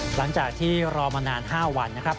หลังจากที่รอมานาน๕วันนะครับ